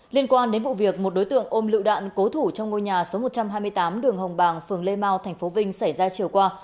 liên quan đến vụ việc một đối tượng ôm lựu đạn cố thủ trong ngôi nhà số một trăm hai mươi tám đường hồng bàng phường lê mau tp vinh xảy ra chiều qua